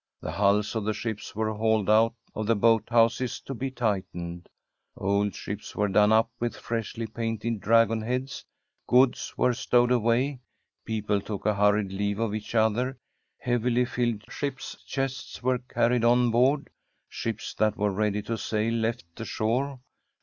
The hulls of the ships were hauled out of the boathouses to be tightened; old ships were done up with freshly painted dragon heads ; goods were stowed away ; people took a hurried leave of each other ; heavily filled ships' chests were carried on board. Ships that were ready to sail left the shore.